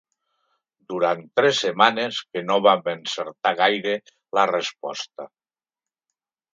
Durant tres setmanes que no vam encertar gaire la resposta.